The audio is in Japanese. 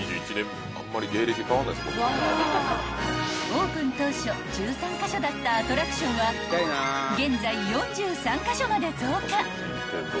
［オープン当初１３カ所だったアトラクションは現在４３カ所まで増加］